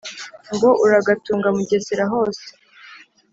ngo uragatunga mugesera hose.